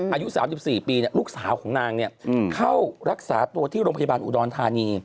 อายุ๓๔ปีลูกสาวของนางเข้ารักษาตัวที่โรงพยาบาลอุดรธานี